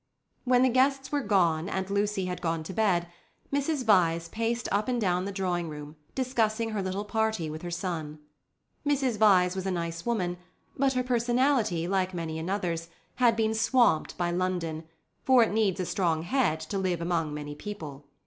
When the guests were gone, and Lucy had gone to bed, Mrs. Vyse paced up and down the drawing room, discussing her little party with her son. Mrs. Vyse was a nice woman, but her personality, like many another's, had been swamped by London, for it needs a strong head to live among many people.